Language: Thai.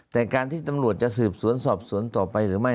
แต่การที่ตำรวจจะสืบสวนสอบสวนต่อไปหรือไม่